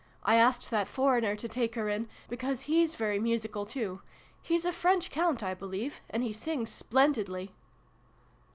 I asked that foreigner to take her in, because hes very musical, too. He's a French Count, I believe ; and he sings splendidly